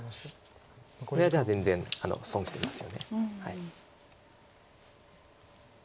これじゃあ全然損してしますよね。